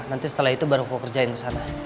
nanti setelah itu baru aku kerjain ke sana